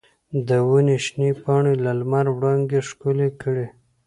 د ونې شنې پاڼې د لمر وړانګې ښکلې کړې.